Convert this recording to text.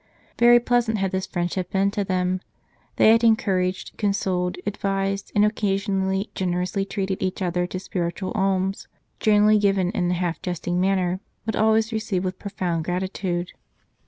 Very pleasant had this friendship been to them ; they had encouraged, consoled, advised, and occasionally generously treated each other to spiritual alms, generally given in a half jesting manner, but always received with profound gratitude.